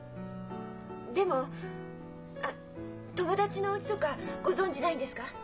でもあっ友達のおうちとかご存じないんですか？